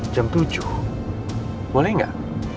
jam tujuh boleh gak